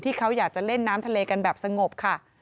ที่เขาอยากจะเล่นน้ำทะเลกันแบบสงบค่ะ